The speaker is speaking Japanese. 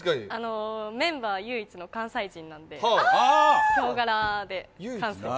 メンバー唯一の関西出身なんでヒョウ柄で。